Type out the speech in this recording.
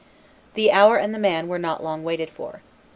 The hour and the man were not long waited for.